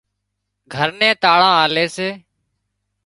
گھر نين تاۯان آلي سي